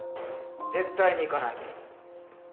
絶対に行かない。